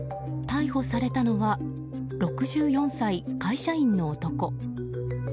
逮捕されたのは６４歳会社員の男。